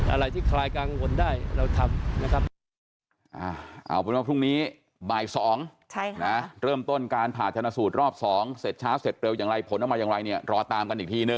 อะไรที่ใครกังวลได้เราทำนะครับ